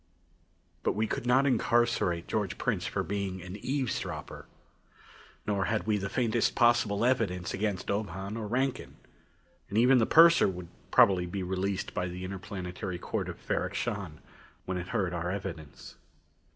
But we could not incarcerate George Prince for being an eavesdropper. Nor had we the faintest possible evidence against Ob Hahn or Rankin. And even the purser would probably be released by the Interplanetary Court of Ferrok Shahn when it heard our evidence.